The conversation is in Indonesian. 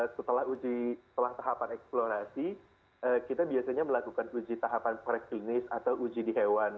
setelah tahapan eksplorasi kita biasanya melakukan uji tahapan preklinis atau uji di hewan